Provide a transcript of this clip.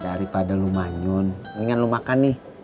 daripada lo manyun inget lo makan nih